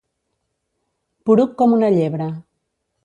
Poruc com una llebre.